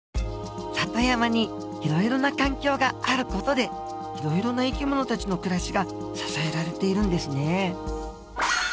里山にいろいろな環境がある事でいろいろな生き物たちの暮らしが支えられているんですね。